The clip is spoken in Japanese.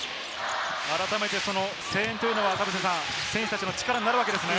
改めて声援というのは田臥さん、選手たちの力になるわけですね。